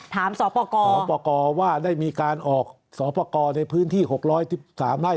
สปกรสปกรว่าได้มีการออกสอปกรในพื้นที่๖๑๓ไร่